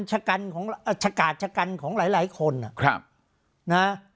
ชะกัดชะกัดของหลายคนอ่ะนะ